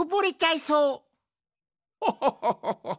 ホホホホホッ。